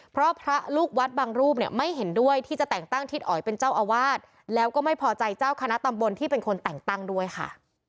เพราะพระลูกวัดบางรูปเนี่ยไม่เห็นด้วยที่จะแต่งตั้งทิศอ๋อยเป็นเจ้าอาวาสแล้วก็ไม่พอใจเจ้าคณะตำบลที่เป็นคนแต่งตั้งด้วยค่ะ